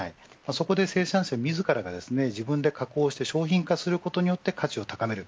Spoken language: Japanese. そこで、生産者自らが加工して商品化することによって価値を高める。